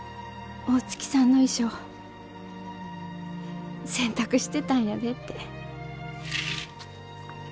大月さんの衣装洗濯してたんやでって。